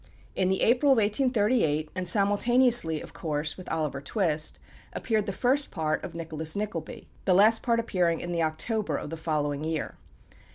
In the April of 1838, and simultaneously, of course, with "Oliver Twist," appeared the first part of "Nicholas Nickleby" the last part appearing in the October of the following year.